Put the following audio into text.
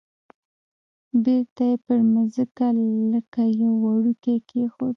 بیرته یې پر مځکه لکه یو وړوکی کېښود.